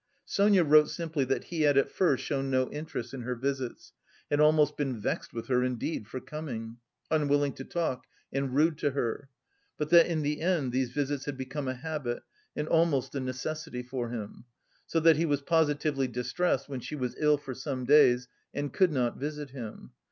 Sonia wrote simply that he had at first shown no interest in her visits, had almost been vexed with her indeed for coming, unwilling to talk and rude to her. But that in the end these visits had become a habit and almost a necessity for him, so that he was positively distressed when she was ill for some days and could not visit him.